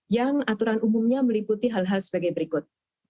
yang aturan umumnya meliputi hal hal sebagai berikut